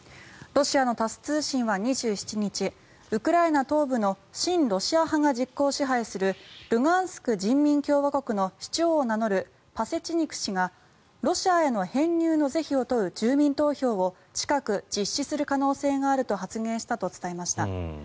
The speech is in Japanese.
ロシアのタス通信は２７日ウクライナ東部の親ロシア派が実効支配するルガンスク人民共和国の首長を名乗るパセチニク氏がロシアへの編入の是非を問う住民投票を近く実施する可能性があると発言したと伝えました。